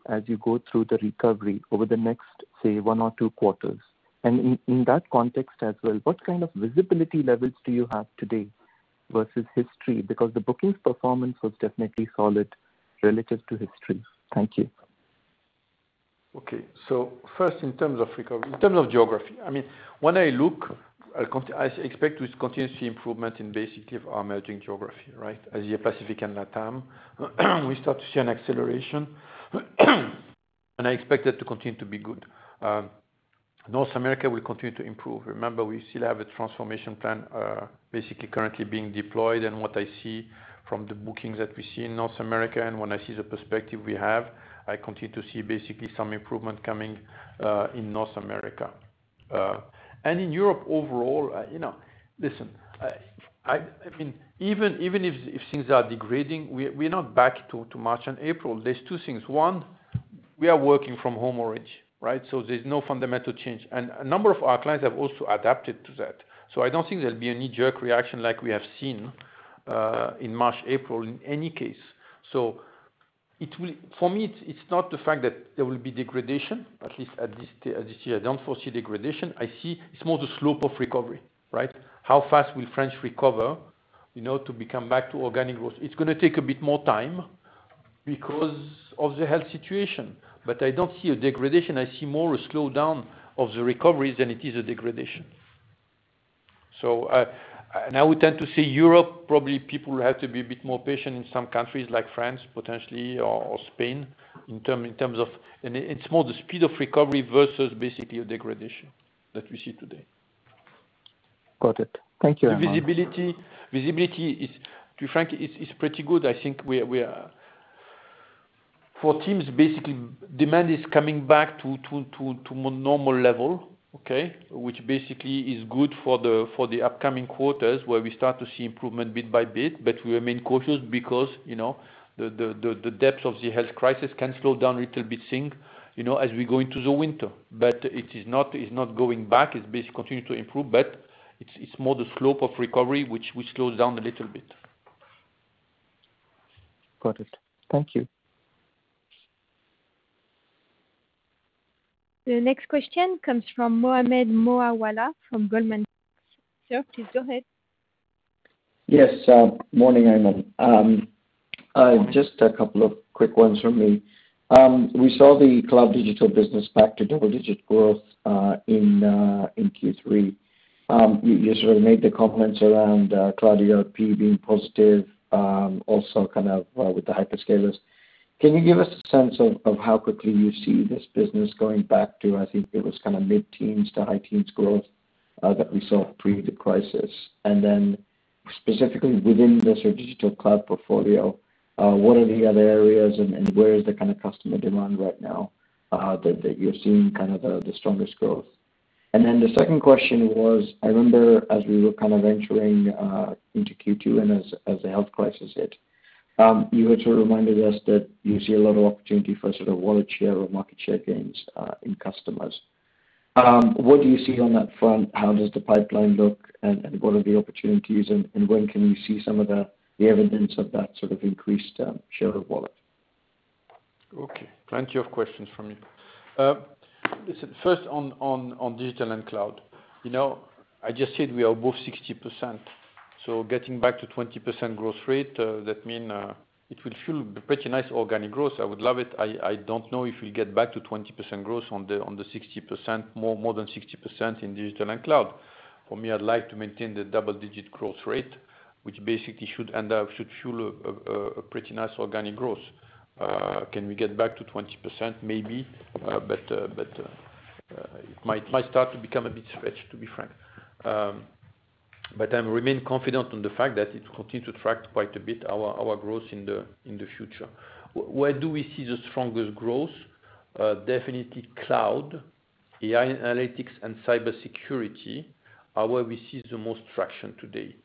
[SPEAKER 9] as you go through the recovery over the next, say, one or two quarters? In that context as well, what kind of visibility levels do you have today versus history? Because the bookings performance was definitely solid relative to history. Thank you.
[SPEAKER 1] Okay. First, in terms of geography, when I look, I expect to continue to see improvement in basically our emerging geography, right? Asia, Pacific and LATAM, we start to see an acceleration. I expect that to continue to be good. North America will continue to improve. Remember, we still have a transformation plan basically currently being deployed, and what I see from the bookings that we see in North America, and when I see the perspective we have, I continue to see basically some improvement coming in North America. In Europe overall, listen, even if things are degrading, we're not back to March and April. There's two things. One, we are working from home [origin], right? There's no fundamental change. A number of our clients have also adapted to that. I don't think there'll be any jerk reaction like we have seen in March, April, in any case. For me, it's not the fact that there will be degradation, at least at this year. I don't foresee degradation. I see it's more the slope of recovery, right? How fast will France recover to come back to organic growth? It's going to take a bit more time because of the health situation. I don't see a degradation. I see more a slowdown of the recovery than it is a degradation. I would tend to say Europe, probably people will have to be a bit more patient in some countries like France, potentially, or Spain. It's more the speed of recovery versus basically a degradation that we see today.
[SPEAKER 9] Got it. Thank you, Aiman.
[SPEAKER 1] Visibility, to be frank, is pretty good. I think for teams, basically, demand is coming back to more normal level, okay? Which basically is good for the upcoming quarters, where we start to see improvement bit by bit. We remain cautious because the depth of the health crisis can slow down little bit things, as we go into the winter. It's not going back. It basically continues to improve, but it's more the slope of recovery, which slows down a little bit.
[SPEAKER 9] Got it. Thank you.
[SPEAKER 3] The next question comes from Mohammed Moawalla from Goldman Sachs. Sir, please go ahead.
[SPEAKER 10] Yes. Morning, Aiman.
[SPEAKER 1] Morning.
[SPEAKER 10] Just a couple of quick ones from me. We saw the cloud digital business back to double-digit growth, in Q3. You sort of made the comments around cloud ERP being positive, also kind of with the hyperscalers. Can you give us a sense of how quickly you see this business going back to, I think it was kind of mid-teens to high teens growth, that we saw pre the crisis? Specifically within the sort of digital cloud portfolio, what are the other areas and where is the kind of customer demand right now, that you're seeing kind of the strongest growth? The second question was, I remember as we were kind of entering into Q2 and as the health crisis hit, you had sort of reminded us that you see a lot of opportunity for sort of wallet share or market share gains, in customers. What do you see on that front? How does the pipeline look and what are the opportunities, and when can we see some of the evidence of that sort of increased share of wallet?
[SPEAKER 1] Okay. Plenty of questions from you. Listen, first on digital and cloud. I just said we are above 60%. Getting back to 20% growth rate, that mean it will fuel pretty nice organic growth. I would love it. I don't know if we get back to 20% growth on the more than 60% in digital and cloud. For me, I'd like to maintain the double-digit growth rate, which basically should end up should fuel a pretty nice organic growth. Can we get back to 20% maybe? But it might start to become a bit stretched, to be frank. I remain confident on the fact that it continue to track quite a bit our growth in the future. Where do we see the strongest growth? Definitely cloud, AI analytics, and Cybersecurity are where we see the most traction today.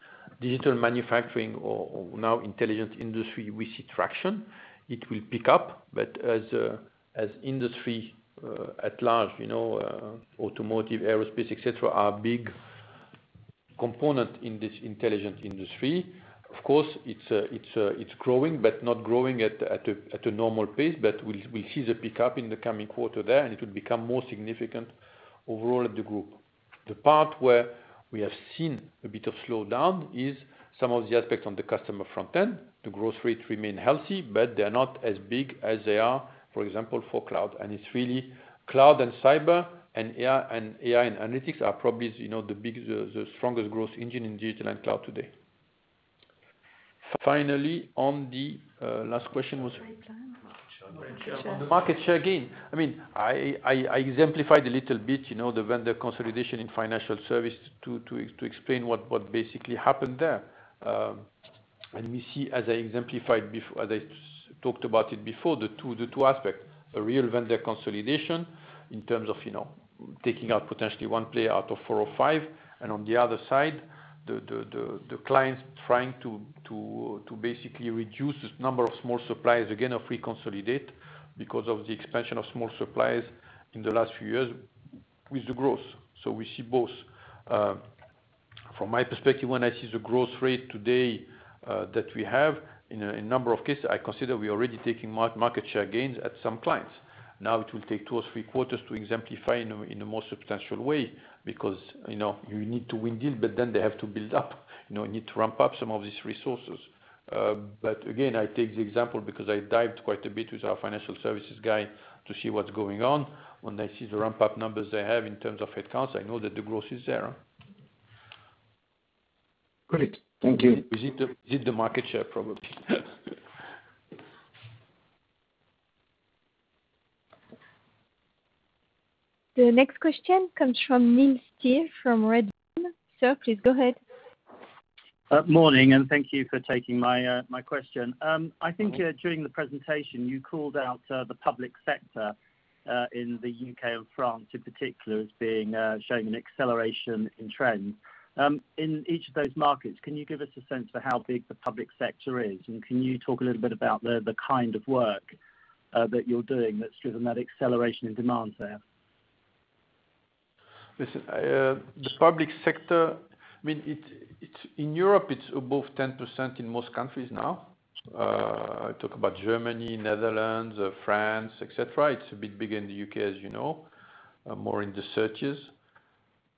[SPEAKER 1] Digital manufacturing or now Intelligent Industry, we see traction. It will pick up, as industry at large, automotive, aerospace, et cetera, are a big component in this Intelligent Industry. Of course, it's growing, not growing at a normal pace. We'll see the pickup in the coming quarter there, it will become more significant overall at the group. The part where we have seen a bit of slowdown is some of the aspects on the customer front end. The growth rate remain healthy, they're not as big as they are, for example, for cloud. It's really cloud and cyber and AI and analytics are probably the strongest growth engine in digital and cloud today. Finally, on the last question was.
[SPEAKER 10] Market share plan.
[SPEAKER 1] On the market share gain. I exemplified a little bit, the vendor consolidation in financial services to explain what basically happened there. We see, as I talked about it before, the two aspects, a real vendor consolidation in terms of taking out potentially one player out of four or five. On the other side, the clients trying to basically reduce the number of small suppliers, again, of reconsolidate because of the expansion of small suppliers in the last few years with the growth. We see both. From my perspective, when I see the growth rate today that we have in a number of cases, I consider we are already taking market share gains at some clients. Now it will take two or three quarters to exemplify in a more substantial way because you need to win deals, but then they have to build up. You need to ramp up some of these resources. Again, I take the example because I dived quite a bit with our financial services guy to see what's going on. When I see the ramp-up numbers they have in terms of headcounts, I know that the growth is there.
[SPEAKER 10] Great. Thank you.
[SPEAKER 1] Is it the market share? Probably.
[SPEAKER 3] The next question comes from Neil Steer from Redburn. Sir, please go ahead.
[SPEAKER 11] Morning. Thank you for taking my question.
[SPEAKER 1] Sure.
[SPEAKER 11] I think during the presentation, you called out the public sector, in the U.K. and France in particular, as showing an acceleration in trend. In each of those markets, can you give us a sense for how big the public sector is? Can you talk a little bit about the kind of work that you're doing that's driven that acceleration in demands there?
[SPEAKER 1] Listen, the public sector, in Europe, it's above 10% in most countries now. I talk about Germany, Netherlands, France, et cetera. It's a bit bigger in the U.K., as you know. More in the searches.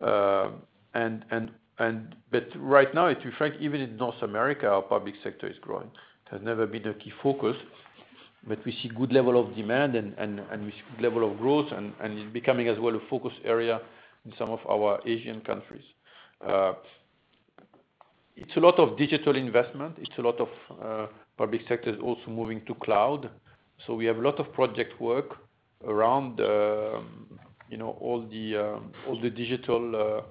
[SPEAKER 1] Right now, to be frank, even in North America, our public sector is growing. It has never been a key focus, but we see good level of demand, and we see good level of growth, and it's becoming as well a focus area in some of our Asian countries. It's a lot of digital investment. It's a lot of public sector is also moving to cloud. We have a lot of project work around all the digital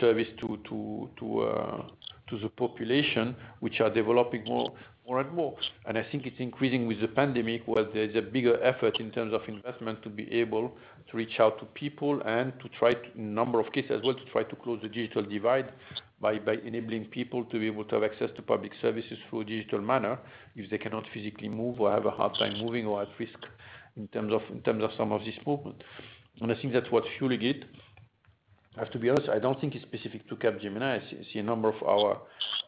[SPEAKER 1] service to the population, which are developing more and more. I think it's increasing with the pandemic, where there's a bigger effort in terms of investment to be able to reach out to people and to try in a number of cases, as well, to try to close the digital divide by enabling people to be able to have access to public services through a digital manner if they cannot physically move or have a hard time moving or at risk in terms of some of this movement. I think that's what's fueling it. I have to be honest, I don't think it's specific to Capgemini. I see a number of our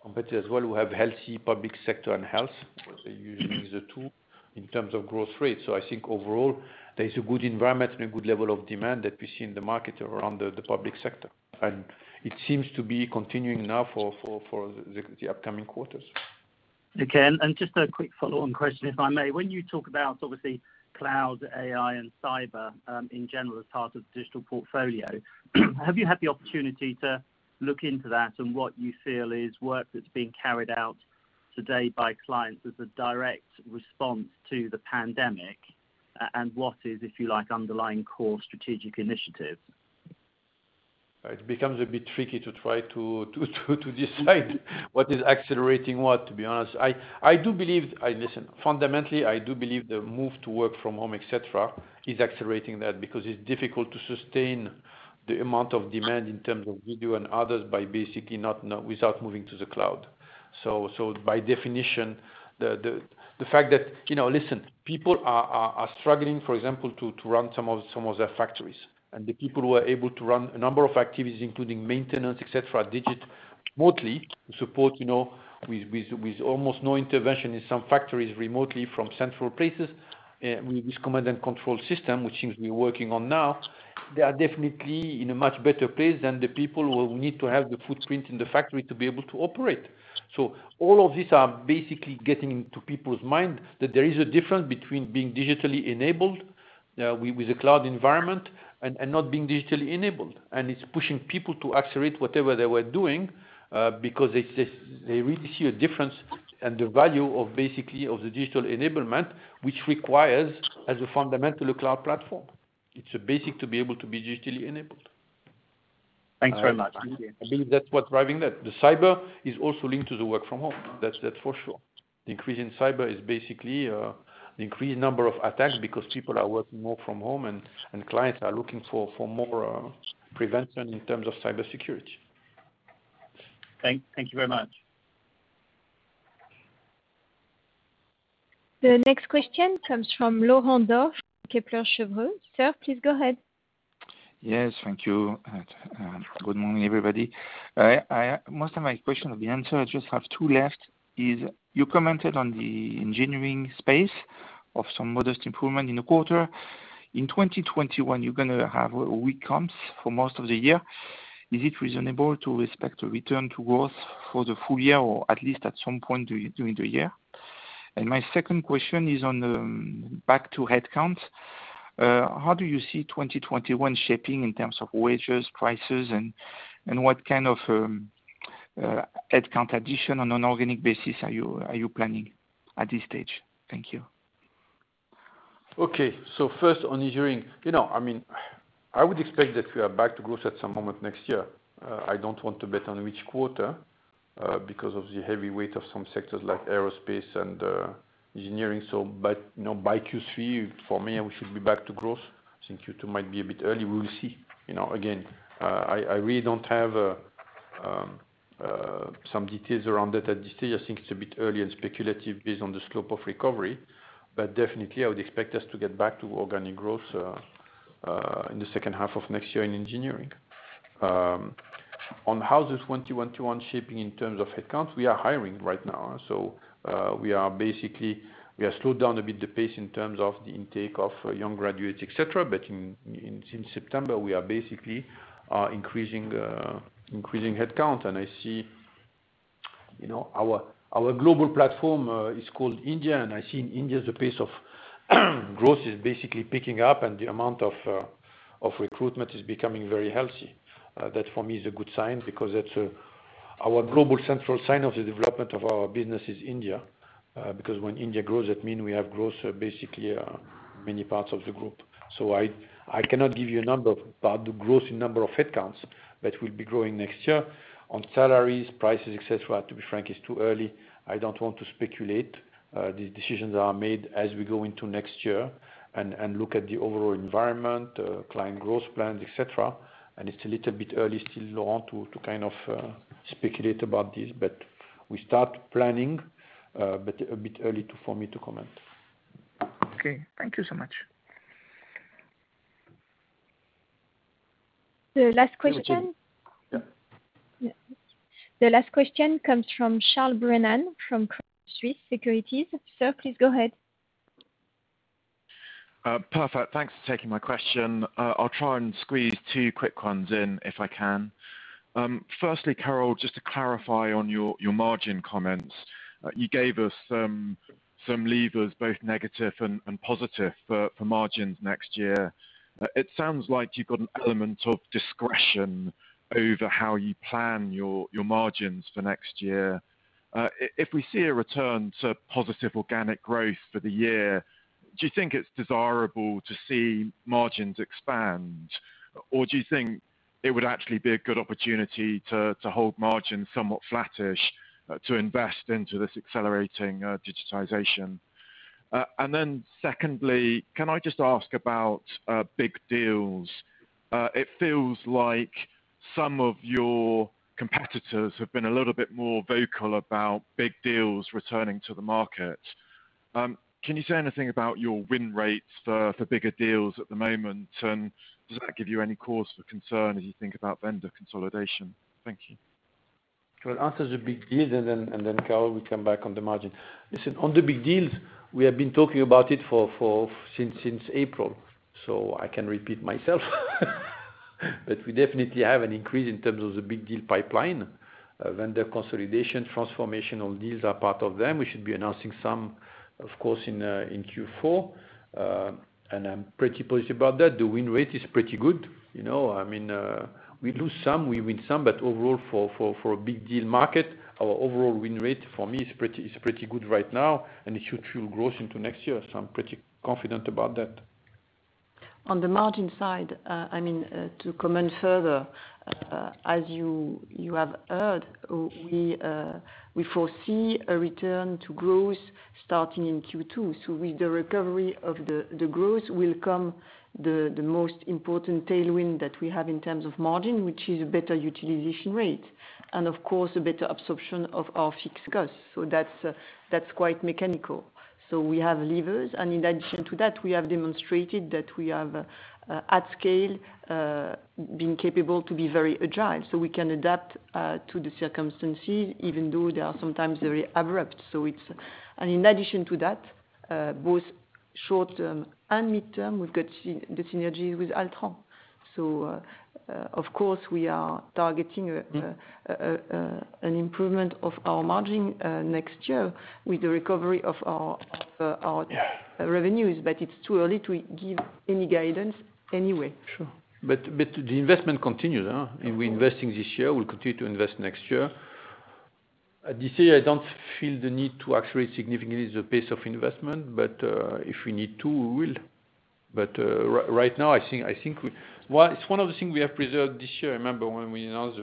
[SPEAKER 1] competitors as well who have healthy public sector and health. They're usually the two in terms of growth rates. I think overall, there is a good environment and a good level of demand that we see in the market around the public sector. It seems to be continuing now for the upcoming quarters.
[SPEAKER 11] Okay. Just a quick follow-on question, if I may. When you talk about, obviously, cloud, AI, and cyber in general as part of the digital portfolio, have you had the opportunity to look into that and what you feel is work that's being carried out today by clients as a direct response to the pandemic? What is, if you like, underlying core strategic initiative?
[SPEAKER 1] It becomes a bit tricky to try to decide what is accelerating what, to be honest. Listen, fundamentally, I do believe the move to work from home, et cetera, is accelerating that because it is difficult to sustain the amount of demand in terms of video and others by basically without moving to the cloud. By definition, the fact that, listen, people are struggling, for example, to run some of their factories. The people who are able to run a number of activities, including maintenance, et cetera, remotely to support with almost no intervention in some factories remotely from central places, with this command and control system, which seems to be working on now. They are definitely in a much better place than the people who need to have the footprint in the factory to be able to operate. All of these are basically getting into people's mind that there is a difference between being digitally enabled with a cloud environment and not being digitally enabled. It's pushing people to accelerate whatever they were doing because they really see a difference in the value of the digital enablement, which requires, as a fundamental, a cloud platform. It's basic to be able to be digitally enabled.
[SPEAKER 11] Thanks very much.
[SPEAKER 1] I believe that's what's driving that. The cyber is also linked to the work from home, that's for sure. The increase in cyber is basically the increased number of attacks because people are working more from home, and clients are looking for more prevention in terms of Cybersecurity.
[SPEAKER 11] Thank you very much.
[SPEAKER 3] The next question comes from Laurent Daure, Kepler Cheuvreux. Sir, please go ahead.
[SPEAKER 12] Yes, thank you. Good morning, everybody. Most of my question have been answered. I just have two left. You commented on the engineering space of some modest improvement in the quarter. In 2021, you're going to have weak comps for most of the year. Is it reasonable to expect a return to growth for the full year or at least at some point during the year? My second question is back to headcount. How do you see 2021 shaping in terms of wages, prices, and what kind of headcount addition on an organic basis are you planning at this stage? Thank you.
[SPEAKER 1] First, on engineering. I would expect that we are back to growth at some moment next year. I don't want to bet on which quarter because of the heavyweight of some sectors like aerospace and engineering. By Q3, for me, we should be back to growth, since Q2 might be a bit early, we will see. Again, I really don't have some details around that at this stage. I think it's a bit early and speculative based on the slope of recovery. Definitely, I would expect us to get back to organic growth in the second half of next year in engineering. On how does 2021 shaping in terms of headcount, we are hiring right now. We have slowed down a bit the pace in terms of the intake of young graduates, et cetera. In September, we are basically increasing headcount. I see our global platform is called India, I see in India, the pace of growth is basically picking up and the amount of recruitment is becoming very healthy. That, for me, is a good sign because that's our global central sign of the development of our business is India. When India grows, that mean we have growth basically in many parts of the group. I cannot give you a number about the growth in number of headcounts, but we'll be growing next year. On salaries, prices, et cetera, to be frank, it's too early. I don't want to speculate. These decisions are made as we go into next year and look at the overall environment, client growth plans, et cetera, and it's a little bit early still, Laurent, to speculate about this. We start planning, but a bit early for me to comment.
[SPEAKER 12] Okay. Thank you so much.
[SPEAKER 3] The last question.
[SPEAKER 1] Thank you. Yeah.
[SPEAKER 3] The last question comes from Charles Brennan from Credit Suisse Securities. Sir, please go ahead.
[SPEAKER 13] Perfect. Thanks for taking my question. I'll try and squeeze two quick ones in if I can. Firstly, Carole, just to clarify on your margin comments. You gave us some levers, both negative and positive for margins next year. It sounds like you've got an element of discretion over how you plan your margins for next year. If we see a return to positive organic growth for the year, do you think it's desirable to see margins expand, or do you think it would actually be a good opportunity to hold margins somewhat flattish to invest into this accelerating digitization? Secondly, can I just ask about big deals? It feels like some of your competitors have been a little bit more vocal about big deals returning to the market. Can you say anything about your win rates for bigger deals at the moment, and does that give you any cause for concern as you think about vendor consolidation? Thank you.
[SPEAKER 1] I will answer the big deals and then, Carole will come back on the margin. Listen, on the big deals, we have been talking about it since April, so I can repeat myself. We definitely have an increase in terms of the big deal pipeline. Vendor consolidation, transformational deals are part of them. We should be announcing some, of course, in Q4. I'm pretty pleased about that. The win rate is pretty good. We lose some, we win some. Overall, for a big deal market, our overall win rate for me is pretty good right now, and it should fuel growth into next year. I'm pretty confident about that.
[SPEAKER 2] On the margin side, to comment further, as you have heard, we foresee a return to growth starting in Q2. With the recovery of the growth will come the most important tailwind that we have in terms of margin, which is a better utilization rate, and of course, a better absorption of our fixed costs. That's quite mechanical. We have levers, and in addition to that, we have demonstrated that we have, at scale, been capable to be very agile, so we can adapt to the circumstances, even though they are sometimes very abrupt. In addition to that both short-term and midterm, we've got the synergy with Altran. Of course, we are targeting an improvement of our margin next year with the recovery of our revenues. It's too early to give any guidance anyway.
[SPEAKER 1] Sure. The investment continues, huh?
[SPEAKER 2] Of course.
[SPEAKER 1] We're investing this year. We'll continue to invest next year. At this stage, I don't feel the need to accelerate significantly the pace of investment. If we need to, we will. Right now, it's one of the things we have preserved this year. Remember, when we announced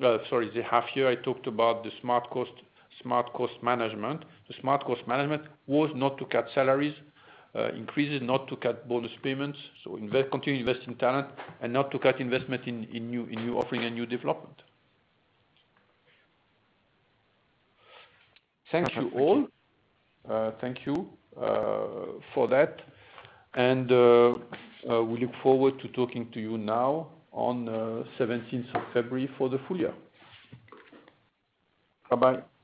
[SPEAKER 1] the half year, I talked about the smart cost management. The smart cost management was not to cut salaries, increases, not to cut bonus payments. Continue to invest in talent and not to cut investment in new offering and new development. Thank you all. Thank you for that. We look forward to talking to you now on 17th of February for the full year. Bye-bye.